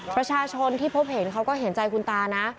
ประชาชนที่พบเห็นเขาก็เห็นใจคุณตานะ